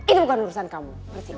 itu bukan urusan kamu